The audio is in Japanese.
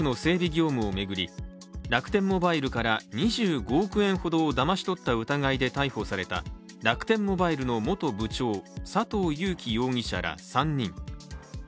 業務を巡り、楽天モバイルから２５億円ほどをだまし取った疑いで逮捕された楽天モバイルの元部長佐藤友紀容疑者ら３人。